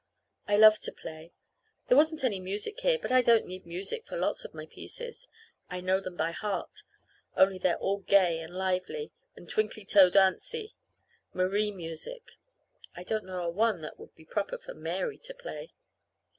I love to play. There wasn't any music there, but I don't need music for lots of my pieces. I know them by heart only they're all gay and lively, and twinkly toe dancy. Marie music. I don't know a one that would be proper for Mary to play.